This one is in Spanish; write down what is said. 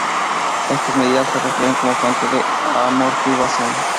Estas medidas se refieren como fuente de amortiguación.